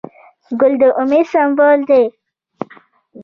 ګل د امید سمبول دی.